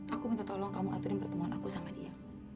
aku minta tolong kamu aturin pertemuan aku sama dia